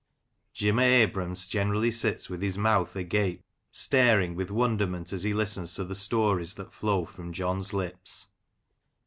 Jim o' Abram's generally sits with his mouth agape, staring with wonderment as he listens to the stories that flow from John's lips.